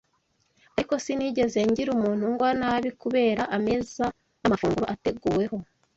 Ariko sinigeze ngira umuntu ngwa nabi kubera ameza n’amafunguro ateguweho